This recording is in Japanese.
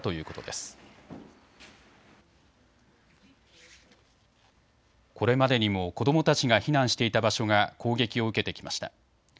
これまでにも子どもたちが避難していた場所が攻撃を受けてきました。